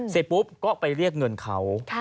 สิ้นปุ๊บก็ไปเรียกเงินเขาค่ะ